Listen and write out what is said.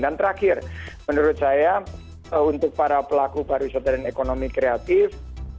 dan terakhir menurut saya untuk para pelaku pariwisata dan ekonomi kreatif